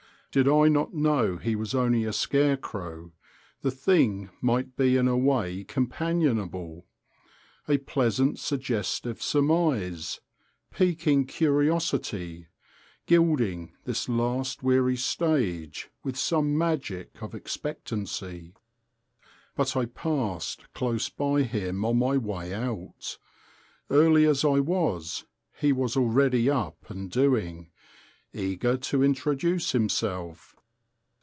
Did I not know he was only a scarecrow, the thing might be in a way companionable: a pleasant suggestive surmise, piquing curiosity, gilding this last weary stage with some magic of expectancy. But I passed close by him on my way out. Early as I was, he was already up and doing, eager to introduce himself.